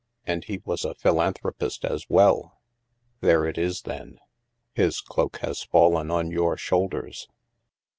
And he was a philanthropist as well." " There it is, then. His cloak has fallen on your shoulders."